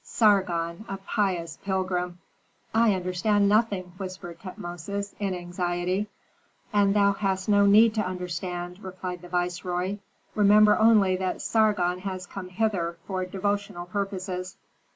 Sargon, a pious pilgrim!" "I understand nothing," whispered Tutmosis, in anxiety. "And thou hast no need to understand," replied the viceroy. "Remember only that Sargon has come hither for devotional purposes."